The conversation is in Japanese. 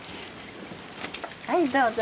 はいどうぞ。